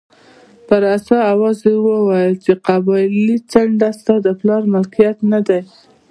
په رسا اواز یې وویل چې قبایلي څنډه ستا د پلار ملکیت نه دی.